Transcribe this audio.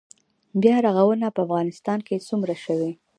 بیا رغونه په افغانستان کې څومره شوې؟